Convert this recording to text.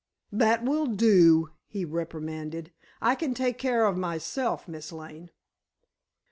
"That will do," he reprimanded. "I can take care of myself, Miss Lane."